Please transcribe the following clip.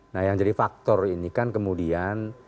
nah yang jadi faktor ini kan kemudian